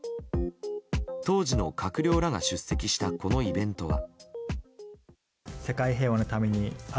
当時の閣僚らが出席したこのイベントは。